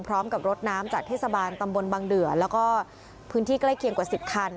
พร้อมกับรถน้ำจากเทศบาลตำบลบังเดือแล้วก็พื้นที่ใกล้เคียงกว่า๑๐คัน